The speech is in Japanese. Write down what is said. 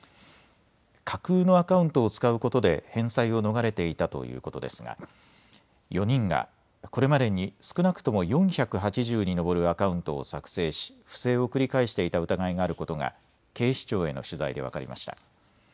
架空のアカウントを使うことで返済を逃れていたということですが４人がこれまでに少なくとも４８０に上るアカウントを作成し不正を繰り返していた疑いがあることが警視庁への取材で分かりました。